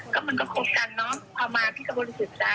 ก็มันก็คบกันเนอะพอมาพี่ก็บริสุทธิ์ใจ